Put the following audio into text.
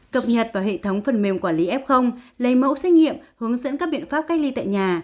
cập nhật vào hệ thống phần mềm quản lý f lấy mẫu xét nghiệm hướng dẫn các biện pháp cách ly tại nhà